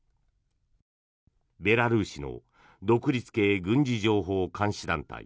ベラルーシの独立系軍事情報監視団体